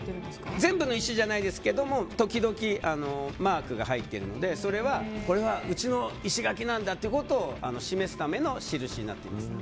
全部の石じゃないですが時々マークが入っているのでそれはうちの石垣なんだと示す印になっています。